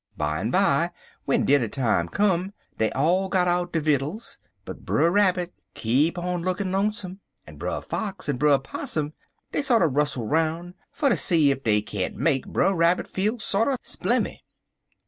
"Bimeby, w'en dinner time come, dey all got out der vittles, but Brer Rabbit keep on lookin' lonesome, en Brer Fox en Brer Possum dey sorter rustle roun' fer ter see ef dey can't make Brer Rabbit feel sorter splimmy."